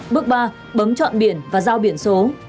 bước ba bấm chọn biển và giao biển số